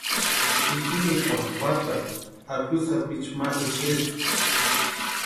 Wintsintikwani juatarhu akwitsi sapichuni ma exespka.